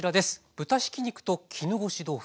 豚ひき肉と絹ごし豆腐。